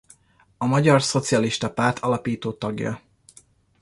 A Magyar Szocialista Párt alapító tagja.